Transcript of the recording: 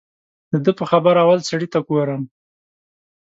د ده په خبره اول سړي ته ګورم.